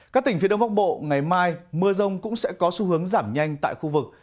các tỉnh phía đông bắc bộ ngày mai mưa rông cũng sẽ có xu hướng giảm nhanh tại khu vực